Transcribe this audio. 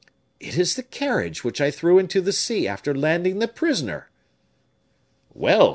"It is the carriage, which I threw into the sea after landing the prisoner." "Well!"